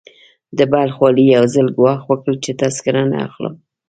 د بلخ والي يو ځل ګواښ وکړ چې تذکره نه اخلم.